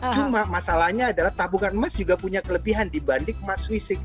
cuma masalahnya adalah tabungan emas juga punya kelebihan dibanding emas fisik